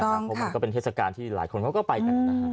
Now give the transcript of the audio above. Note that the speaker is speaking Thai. เพราะมันก็เป็นเทศกาลที่หลายคนเขาก็ไปกันนะฮะ